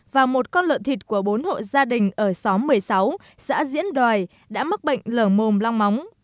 và một con lợn thịt của bốn hộ gia đình ở xóm một mươi sáu xã diễn đoài đã mắc bệnh lở mồm long móng